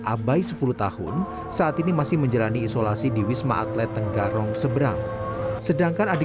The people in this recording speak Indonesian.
abai sepuluh tahun saat ini masih menjalani isolasi di wisma atlet tenggarong seberang sedangkan adik